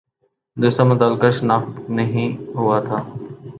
دوسرا متعلقہ شناخت نہیں ہوا تھا